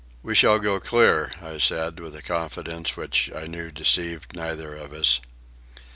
"We shall go clear," I said, with a confidence which I knew deceived neither of us.